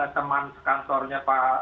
teman kantornya pak mas wela ini